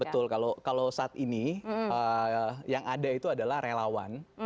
betul kalau saat ini yang ada itu adalah relawan